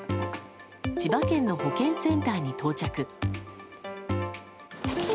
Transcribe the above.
千葉県の保健センターに到着。